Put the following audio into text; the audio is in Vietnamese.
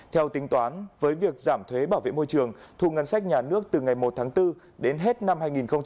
theo tính toán với việc giảm thuế bảo vệ môi trường thu ngân sách nhà nước từ ngày một tháng bốn đến hết năm hai nghìn hai mươi